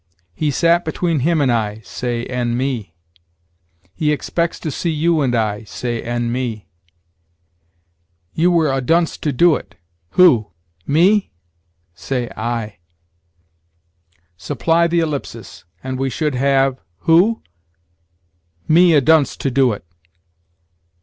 "He sat between him and I": say, and me. "He expects to see you and I": say, and me. "You were a dunce to do it. Who? me?" say, I. Supply the ellipsis, and we should have, Who? me a dunce to do it?